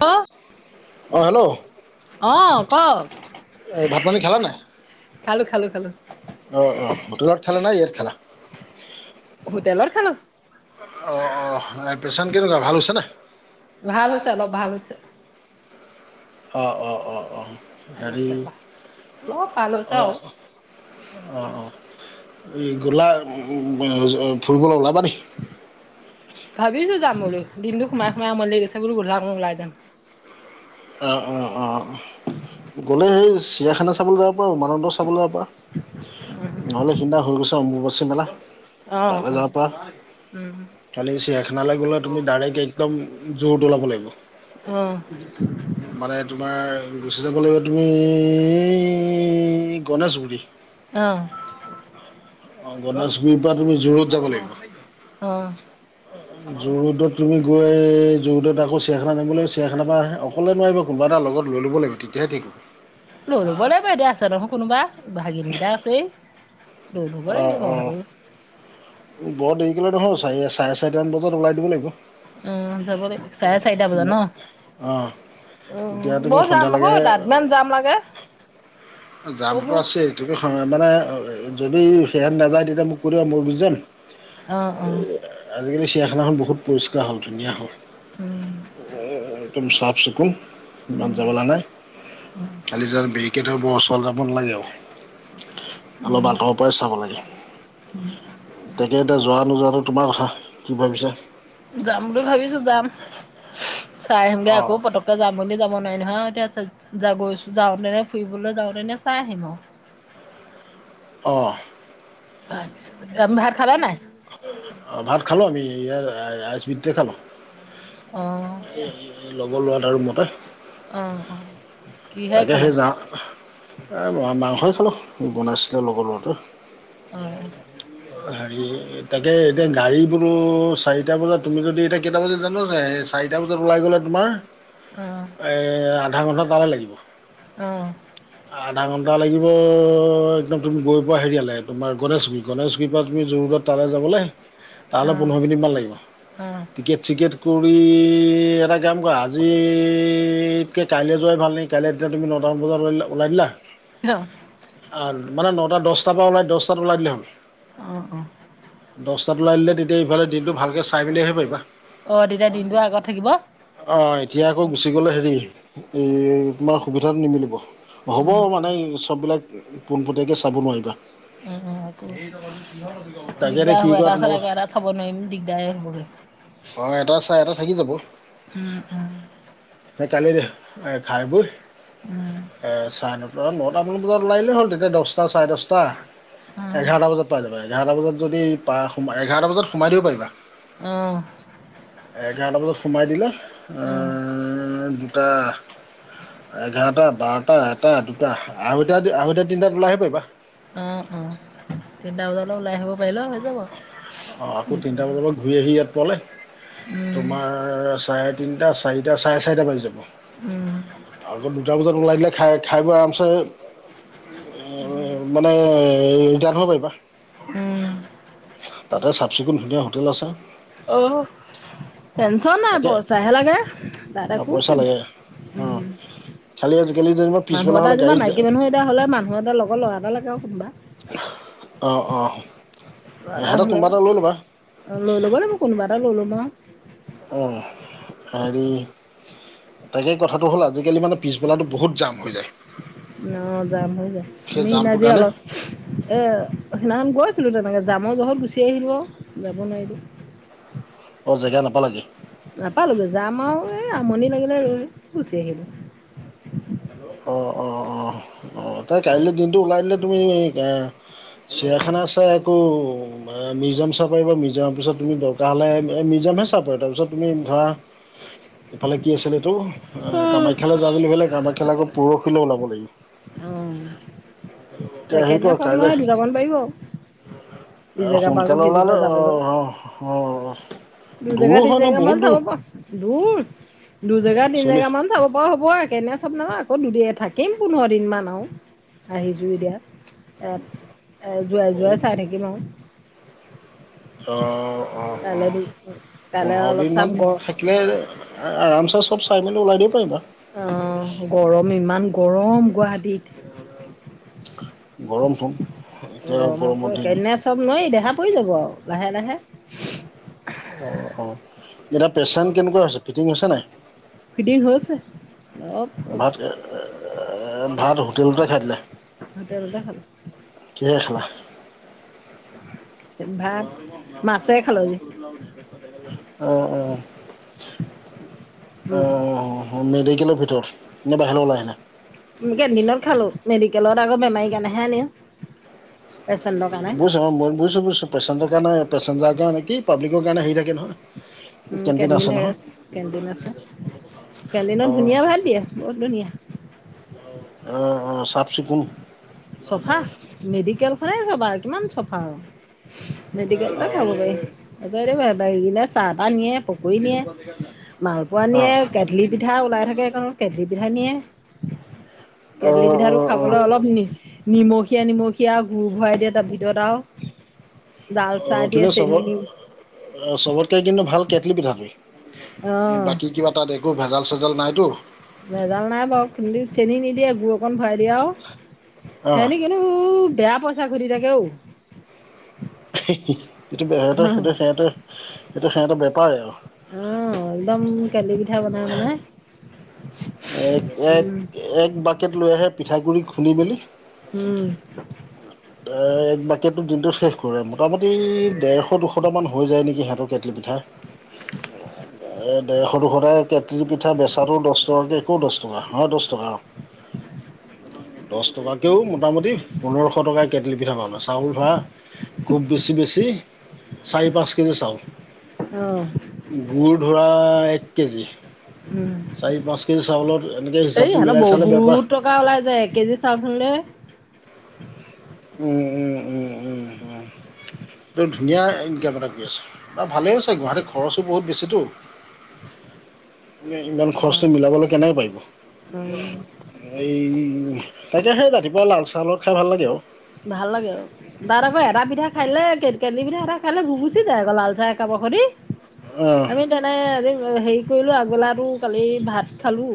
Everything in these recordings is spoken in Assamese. ক অঁ হেল্ল' অ ক। এই ভাত পানী খেলা নাই খালো খালো খালো অ অ হোটেলত খালা নে ইয়াত খালা। [inaudible] হোটেলত খালো। অঁ অঁ পেচেণ্ট কেনেকুৱা ভাল হৈছেনে ভাল হৈছে অলপ ভালহৈছে। অ অ অ অ। হেৰি আগতকে অলপ ভাল হৈছে অ আৰু অ। এই গলা ফুৰিবলে ওলাবা নেকি। ভাবিছো যাম বোলো দিনটো সোমাই সোমাই মন লাগিছে বো গোধলা ওলাই যাম। অঁ অঁ অঁ অ। গ'লে সেই চিৰিয়াখানা চাবলৈ যাব পাৰা উমানন্দৰ চাবলৈ যাব পাৰা। নহলে সেইদিনা হৈ গৈছা অম্বুপা্চী মেলা। অ', তালৈ অ', যাব পাৰা উম, কালি চিৰিয়াখানা গলে তুমি ডাইৰেক্ট এগ। একদম জোৰটো ওলাব লাগিব। অ। মানে তোমাৰ। গুচি যাব লাগিব তুমি গণেশগুৰি। অ', অ গণেশগুৰি পৰা তুমি যোৰত যাব লাগিব। অ', যোৰহোদত তুমি গৈ যোৰহদত আকৌ চিৰিয়াখানা নিামিব লাগ চৰিখানা পৰা আহে। অকলে নোৱাৰিব কোনোবা এটা লগত লৈ ল'ব লাগিব তেতিয়া হে থাকিব। লৈ ল ব লাগিব এতিয়া আছে নহয় কোনোবা ভাগিনকেইটা আছেই। দু গাই অ ন অ। বাৰ। বৰ দেৰিক লৈ নহল চাৰি চাৰে চাৰিটামান বজাত ওলাই দিব লাগিব। আহ যাব লাগিব চাৰে চাৰিটা বজাত অঁ ন। উ তেতিয়া তুমি মই যাম হ সন্ধিয়ালৈকে দত ম যাম লাগে। জামটো বহুত আছে এই মানে যদি সেহত নাযায় তেতিয়া মোক কৈদিবা মই গুছি যাম। অ', অ', এই আজিকালি চিৰিয়াখানাখন বহুত পৰিষ্কাৰ হ'ল ধুনীয়া হ'ল। উম, আহ একদম চাফ চিকুন। ইমান যাবলা নাই কালি য বেৰিকেটৰ বৰ ওচৰলে যাব নালাগে আৰু অলপ আতৰৰ পৰাই চাব লাগে তাকে এতিয়া যোৱা নোযোৱাতো। তোমাৰ কথা কি ভাবিছা। যাম বুলি ভাবিছো যাম চাই আহিমগে আকৌ অ'। পতককে যাম বুলি যাব। বনাই নহয় এতিয়া গৈছো যাওঁ তেনে ফুৰিবলৈ যাওঁতেনে চাই আহিম অ। অঁ। ভাবিছোঁ আম ভাত খালা নাই। অ ভাত খালো আমি ইয়াৰ আইচবিডে খালো। আহঁ লোৱাটা আৰু মতে আহ আহ তাকে সেই যা মাংসই খালোঁ বনাইছিলোে লগৰ লৰাটোৱে অঅঁ হেৰি তাকে এতিয়া গাড়ী বোলো চাৰিটা বজাত তুমি যদি এতিয়া কেইটা বজাত জানো চাৰিটা বজাত ওলাই গ'লে তোমাৰ অ অ অঁ আধাঘণ্টামান লাগে অ অ এটা লাগিব একদম তুমি গৈ পোৱা হেৰিয়ালে তোমাৰ গণেশবি গণেশ কিবা তুমি যোৰদত তালৈ যাবলে তাহ'লে পোন্ধৰ মিনিটমান লাগিব অ টিকেট চিকেট কৰি এটা কাম কৰা আজিতকৈ কাইলৈ যোৱাই ভাল নেকি কাইলৈ এতিয়া তুমি নটামান বজাত লৈলা ওলাই দিলা মানে নটা দশটাৰ পৰা ওলাই দহটাত ওলাই দিলে হ'ল। অ অ দশটাত ওলাই দিলে তেতিয়া ইফালে দিনটো ভাল চাই মেলিহে পাৰিবা অ তেতিয়া দিনটো আগত থাকিব অ অ, এতিয়া আকৌ গুচি গলে হেৰি এই তোমাৰ সুবিধাটো নিমিলিব অ হ'ব মানে চববিলাক পোনপটীয়াকৈ চাব নোৱাৰিবা। উম - উম আকৌ তাকে এতিয়া দিগদাৰ কি হ'ব কৰা এটা, তোমালোক এটা চাব নোৱাৰিম দিগদাৰ হ'বগৈ। অ, এটা চাই এটা থাকি যাব। উম উম কালি ঘাই বৈ উম চাৰে নট মান এটামান বজাত ওলাই দিলে হ'ল তেতিয়া দশটা চাৰে দশটা এঘাৰটা বজাত। পাই যাবা এঘাৰটা বজাত যদি পা এঘাৰটা বজাত সোমাই দিব পাৰিবা। উম এঘাৰটা বজাত সোমাই দিলে অ অ আহ, টাহ, এঘাৰটা বাৰটা এটা দুটা আঢ়ৈটা - আঢ়ৈটা তিনিটাত ওলাই আহিব পাৰিবা। অ', অ', তিনিটা বজালে ওলাই আহিব পাৰিলে হৈ যাব। অ, আকৌ তিনিটা বজাৰ পৰা ঘূৰি আহি ইয়াত পোৱালে উম, তোমাৰ চাৰে তিনিটা চাৰিটা চাৰে চাৰিটা বাজি যাব উম, আকৌ দুটা বজাত ওলাই দিলে খাই - খাই বই আৰামছে মানে ৰিটাৰ্ণ হ'ব পাৰিবা। উম তাতে চাফ চিকুণ ধুনীয়া হোটেল আছে। অহ ', টেনচন নাই তাকে বৰ পইচাইহে লাগে তাই থাকো পইচা লাগে অঁ উম খালি আজিকালি যেনিবা মানুহ পিছবেলা এটা হ'লে যিবা গাড়ী মাইকী মানুহ এতিয়া হ'লে মানুহ এটা লগৰ ল'ৰা এটা লৈকে আৰু কোনোবা অ - অ। এটা হলে অ, লৈ ল'ব ন ম কোনোবা এটা লৈ লব ন। অ, আৰু তাকে কথাটো হ'ল আজিকালি মানে পিছবেলা বহুত জাম হৈ যায়। ন যাম হৈ যায় আমি সেই জামটোৰ দিনা কাৰণে অলপ এ সিদিনাখন গৈ ছিলো তেনেকে যামৰ বহত গুচি আহিলো যাব নোৱাৰিলো। জেগা নাপালাগে। উম, গুচি আহিলো। অ-অ-অ। অ, তাই কাইলৈ দিনটো ওলাই দিলে তুমি চিৰিয়াখানা আছে। আকৌ মিউজিয়াম চাব পাৰিবা মিউজিয়ামৰ পিছত তুমি দৰকাৰ হ'লে এই মিউজিয়ামহে চাব পাৰ তাৰপিছত তুমি ধৰা ইফালে কি আছিল এইটো আহ, আহিলোঁ। কামাখ্যালৈ যাব বুলি হলে কামাখ্যালৈ আকৌ পৰহিলৈ ওলাব লাগিব। অ' তে আহি একেদিনা যোৱা চব কাইলে। নোৱাৰে দুটামান পাৰিব। আহ, ইজেগা পৰা আকৌ সোনকালে ওলালো সিজেগা অ - অ - অ। দু জেগা তিনি জেগা মান চাব প দূৰ দু জেগা তিনি জেগা মান চল্লিছ চাব পাৰো। হব কেনে চব ন আকৌ দুদ থাকিম পোন্ধৰ দিন মান আৰু আহিছো এতিয়া। এ -এ, যোৱাই - যোৱাই চাই থাকিম আৰু। অ - অ - অ। কাইলৈ দু কাইলৈ পোন্ধৰ অলপ দিন চাম মান গৰ থাকিলে আৰামচে চব চাই মেলি ওলাই দিব পাৰিবা। অহ, গৰম ইমান গৰম গুৱাহাটীত। গৰম চোন। এতিয়া গৰম গৰমৰ আকৌ দিন কেনে চব নোৱাৰ দেখা পৰি যাব আৰু লাহে- লাহে। অ - অ এতিয়া পেচন কেনেকুৱা হৈছে ফিটিং হৈছে নাই? ফিটিং হৈছে অলপ ভাত - ভাত হোটেলতে খাই দিলে। হোটেলতে খালোঁ। কিহেৰে খালা? ভাত মাছে খালো যে অ অ উম, অহ হোমমেডিকেলৰ ভিতৰত নে বাহেলে ওলাই আনা ইনিকে দিনত খালো মেডিকেলত আকৌ বেমাৰী কেণেহে নিও বুজছো মই বুইছো বুইছো পেচেণ্ট কাৰণে পেচেঞ্জাৰকে আনি কি পাব্লিকৰ কাৰণে হেৰি থাকে নহয়। উম কেণ্টিন কেন্টিন আছে থাকে নহয় কেন্টিন আছে। কেন্টিনত অঁ ধুনীয়া ভাত দিয়ে বহুত ধুনীয়া। অঁ অঁ চাহ চিকুণ চফা মেডিকেলখনে চফা কিমান চাফা আৰু। মেডিকেলতে খাব অঁ পাৰি তছত ই বাহেত আহি কিনে চাহ তাহ নিয়ে পকৰী নিয়ে। মালপোৱা নিয়ে, অঁ কেথলি পিঠা ওলাই থাকে কাৰণ কেথলি পিঠা নিয়ে। কেটলি অঁ পিঠাটো অঁ অঁ খাবলৈ অলপ নি নিমখীয়া নিমখীয়া গুড় ভৰাই দিয়ে তাৰ ভিতৰত আও অঁ কিন্তু চব চবতকৈ কিন্তু ভাল কেটলি পিঠাটো, অ', বাকী কিবা তাত একো ভেজাল চেজাল নাইতো ভেজাল নাই বাৰু খু চেনি নিদিয়ে গুড় অকণ ভৰাই দিয়ে আও অঁ সেতি কিন্তু বেয়া পইচা ঘুটি থাকে ঔ এইটো সহ সেইটো অ', সিহঁতেৰ এইটো সিহঁতৰ বেপাৰ আৰু অহ একদম কেটলি পিঠা বনাই বনাই এক এক উম, এক বাকেট লৈ আহে পিঠাগুৰি খুন্দি মেলি উম এ বাকেটটো দিনটোত শেষ কৰে মোটামুটি দেৰশ দুশটা মান হৈ যায় নেকিহত কেটলি পিঠা। সৰু সুৰা কেটলি পিঠা বেচাৰো দছ দহ একো দছ টকা হয় দছ টকা অ দছ টকাকেও মোটামুটি পোন্ধৰশ টকা কেটলী পিঠা পাবা চাউল ধৰা খুব বেছি বেছি। চাৰি পাঁচ কেজি চাওল অ', গুড় ধৰা এক কেজি উম। চাৰি পাঁচ কেজি চাউলত এনেকৈ এই হিচাপটো এহেত মিলাই চালে বেপাৰ বহুত টকা ওলাই যায় এক কেজি চাউল খুন্দিলে [inaudible] উম উম উম উম উম। এই ধুনীয়া ইনকাম এটা কৰি আছে বা ভালে আছে গুৱাহাটীৰ খৰচো বহুত বেছিতো ইমান খৰচটো অ', মিলাবলৈ কেনেকৈ পাৰিব। অ', এই তাইতিয়া সেই ৰাতিপুৱা লাল চাহলগত খাই ভাল লাগে আৰু ভাল লাগে আৰু তাত আকৌ এটা পিঠা খাইললে কে কেটলি পিঠা খালে ভুক গুচি যায় আকৌ লাল চাহ একাপ হৈতি অঁ আমি তেনে হেৰি কৰিলোঁ আগবেলা টো কালি ভাত খালোঁ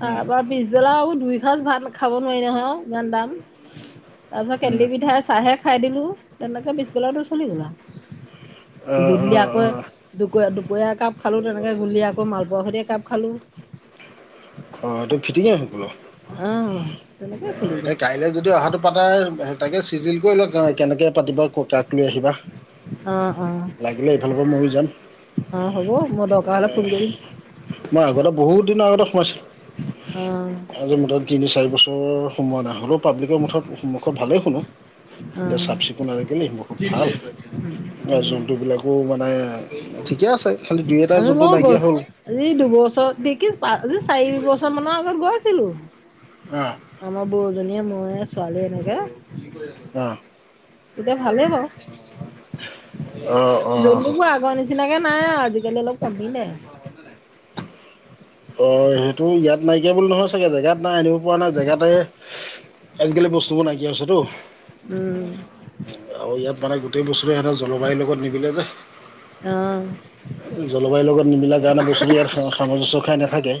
তাৰপৰা পিছবেলাও দুই সাঁজ ভাত খাব নোৱাৰি নহয় ইমান দাম তাৰপিছত কেটলি পিঠাই চাহে খাই দিলোঁ তেনেকৈ পিছবছলাটো চলি গ'ল আও অঁ গূধলি অঁ আকৌ অঁ দুক দু কুৱে একাপ খালোঁ তেনেকৈ গুলি আকৌ মালপোৱা খতি একাপ খালোঁ। অ এইটো ফিটিঙে সেইটোনো অঁ তেনেকেই চলি যায়। কাইলে যদি অহাটো পা তাৰ তাকে চিজিল কৰি ল কাৰ কেনেকে পাতিবা কাক লৈ আহিবা অঁ অঁ লাগিলে এইফালৰ পৰা মইয়ো যাম। অঁ হ'ব মই এ দৰকাৰ হ'লে ফোন কৰিম। মই আগতে বহুত দিনৰ আগতে সোমাইছিলো অঁ আজি মুঠত তিনি চাৰি বছৰ সমোৱা নাই হ'লেও পাব্লিকৰ মুঠত মুখত ভালে। উম বহুত কি ভাল কৰি আছ আৰু এতিয়া জন্তুবিলাকো মানে ঠিকে আছে খালি দুই এটা আমি জন্তু মই গল নাইকিয়া হ'ল আজি দুবছৰ [unintelligible] চাৰি বছৰ মানৰ আগত গৈছিলো অঁ আমাৰ বৌজনীয়ে মই আছো। ছোৱালী এনেকে অঁ এতিয়া ভালেই বাও। অঁ অঁ জলুবোৰ আগৰ নিচিনাকে নাই আৰু আজিকালি অলপ কমিলে। অ' সেইটো ইয়াত নাইকিয়া বুলি নহয় চাগে! জেগাত নাই আনিব পৰা নাই জেগাতে। আজিকালি বস্তুবোৰ নাইকিয়া হৈছেতো। উম, আৰু ইয়াত মানে গোটেই বস্তুটো সিহঁতৰ জলবায়ুৰ লগত নিমিলে যে। অ'। জলবায়ুৰ লগত নিমিলা কাৰণে বস্তুটো, ইয়াৰ সামঞ্জস্য নেথাকে। এ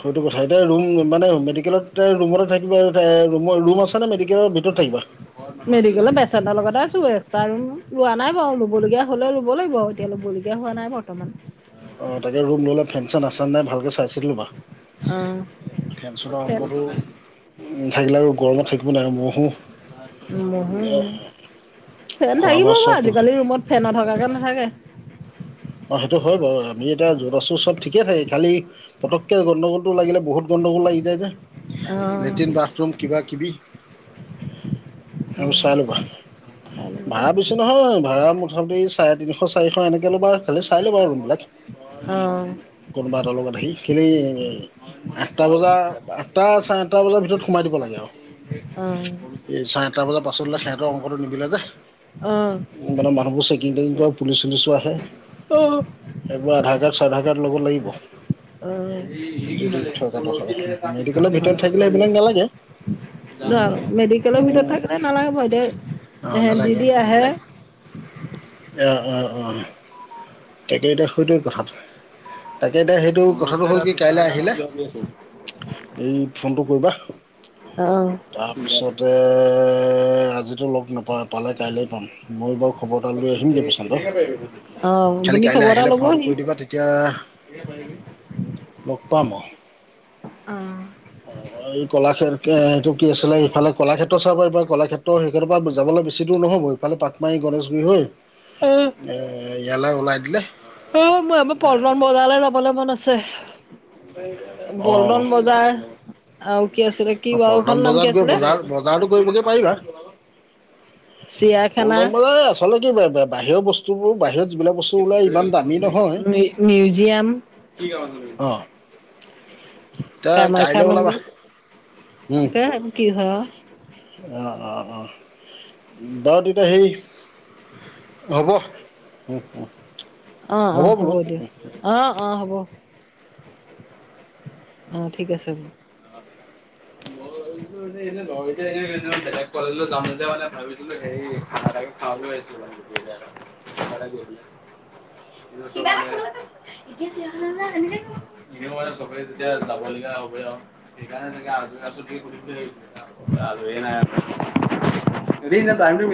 সটো কথা, এতিয়া ৰুম মানে মেডিকেলত। তে ৰুমতে থাকিব, ৰুম আছে নে মেডি। মেডিকেলৰ বেচটৰ লগতে আছো আৰু [unintelligible] লোৱা নাই বাৰু! ল'বলগীয়া হ'লেও ল'ব লাগিব। এতিয়া ল'বলগীয়া হোৱা নাই বৰ্তমান। অ' তাকে ৰুম ল'লে ফেন-চেন আছে নাই ভালকে চাই-চিতি ল'বা। অ'। [unintelligible] থাকিলে আৰু গৰমত থাকিল। [unintelligible] ফেন খোৱা থাকিব বোৱা বাৰু। চব আজিকালি ৰুমত ফেন নথকাকে নাথাকে। অ' সেইটো হয় বাৰু। আমি এতিয়া য'ত আছোঁ, চব ঠিকে থাকে খালি পটককে গণ্ডগোল। লাগিলে বহুত গণ্ডগোল লাগি যায় যে, অ', লেট্ৰিন বাথৰুম কিবাকিবি। এইবোৰ উম, চাই ল'বা। চাই ল'ব ভাড়া লাগিব। বেছি নহয় ভাড়া। প্ৰথমতে এই চাৰেতিনিশ-চাৰিশ এনেকৈ ল'বা খালি চাই ল'বা ৰুমবিলাক, অ'। অ', অ', কোনোবা এটা লগত আহি। সেই এ আঠটা। বজা, আঠটা-ছাৰেআঠটা বজা ভিতৰত সোমাই দিব লাগে আৰু, চাৰেআঠটা বজাৰ পাছত হ'লে সিহঁতৰ অংকটো নিমিলে যে, মানে মানুহবোৰ চেকিং-তেকিংটো, পুলিচ-চুলিচো আহে। অ'। এইবোৰ আধাৰকাৰ্ড, চাধাৰকাৰ্ড ল'ব লাগিব। অ' যদি থকাটো হয় মেডিকেলৰ ভিতৰত থাকিলে এইবিলাক নালাগে [unintelligible] মেডিকেলৰ ভিতৰত থাকিলে নালাগে বাৰু এতিয়া এহেত দিদি আহে। অ' অ' অ', তাকে এতিয়া সটোৱে কথাটো। তাকে এতিয়া সেইটো কথাটো হ'ল কি কাইলৈ আহিলে, এই ফোনটো কৰিবা। অ', তাৰপিছতে আজিতো লগ নাপাওঁ। পালে কাইলে পাম, মইও বাৰু খবৰ এটা লৈ আহিমগৈ পাছতে অ', খালি আপুনি কাইলৈ খবৰ এটা আহিলে ফোনটো ল'বহি। কৰি দিবা তেতিয়া। লগ পাম আৰু। অ', অ' এই কলাক্ষেত এইটো কি আছিলে, ইফালে কলাক্ষেত্ৰ চাব এইবাৰ কলাক্ষেত্ৰ সেইখিনিৰ পৰা যাব। অলপ বেছি দূৰ নহ'ব, ইফালে পাক মাৰি গণেশগুৰি হৈ ইয়ালৈ ওলাই দিলে। অ' মই আমাৰ পল্টন বজাৰলৈ যাবলৈ মন আছে। পল্টন অ' বজাৰ, আৰু কি আছিলে, কি পল্টন গাওঁখন নাম বজাৰত কি গৈ আছিলে? বজাৰ বজাৰটো কৰিবগৈ পাৰিবা চিৰিয়াখানা, পল্টন বজাৰ, আচলতে কি, বাহিৰৰ বস্তুবোৰ বাহিৰত। যিবিলাক বস্তু ওলায়, ইমান দামী নহয় মিউজিয়াম, অ'। এতিয়া কামাখ্যা কাইলৈ ওলাবা মন্দিৰ, তাকে কি হয় আও। অ' অ' অ' বাৰু তেতিয়া সেই। হ'ব, উম উম। অ' অ' হ'ব দিয়ক। অ' অ' হ'ব। অ' ঠিক আছে বাৰু। [inaudible] [unintelligible] কলেজত যাম যেতিয়া মানে ভাবিছিলো হেই- [unintelligible] [unintelligible] এতিয়া যাবলগীয়া হ'বই আৰু, সেইকাৰণে তাকে আজৰি [unintelligible] আজৰিয়ে নাই আৰু। [inaudible] [unintelligible] টাইমটো মিল